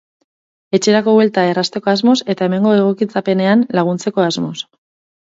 Etxerako buelta errazteko asmoz eta hemengo egokitzapenean laguntzeko asmoz.